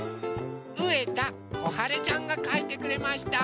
うえたこはれちゃんがかいてくれました。